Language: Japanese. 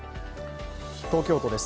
東京都です。